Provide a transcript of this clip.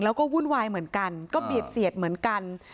แล้วก็วุ่นวายเหมือนกันก็เบียดเสียดเหมือนกัน